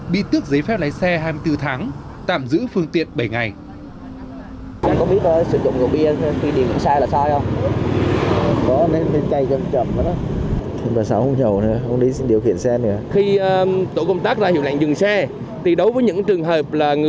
bị tước giấy phép lái xe hai mươi bốn tháng